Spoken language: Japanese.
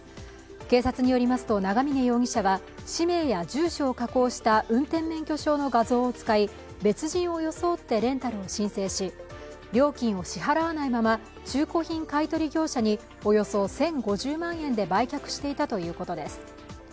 警察によりますと、長峰容疑者は氏名や住所を加工した運転免許証の画像を使い別人を装ってレンタルを申請し料金を支払わないまま、中古品買い取り業者におよそ１０５０万円で売却していたということです。